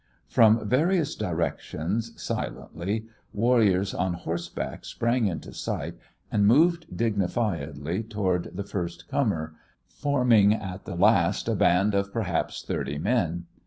From various directions, silently, warriors on horseback sprang into sight and moved dignifiedly toward the first comer, forming at the last a band of perhaps thirty men.